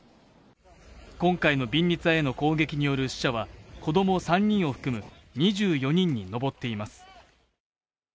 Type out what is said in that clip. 今回のビンニツァへの攻撃による死者は子供３人を含む２４人に上っています